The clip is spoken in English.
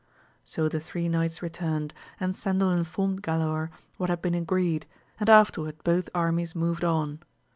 So the three knights returned, and Cendil informed Galaor what had been agreed, and afterward both armies moved on.